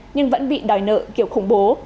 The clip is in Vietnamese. nhưng vẫn bị đòi nợ kiểu khủng bố